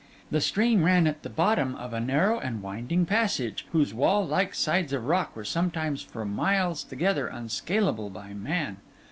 The stream ran at the bottom of a narrow and winding passage, whose wall like sides of rock were sometimes for miles together unscalable by man.